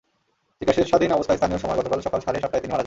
চিকিৎসাধীন অবস্থায় স্থানীয় সময় গতকাল সকাল সাড়ে সাতটায় তিনি মারা যান।